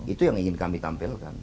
itu yang ingin kami tampilkan